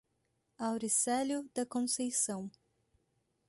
Auricelio da Conceicao